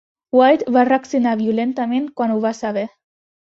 White va reaccionar violentament quan ho va saber.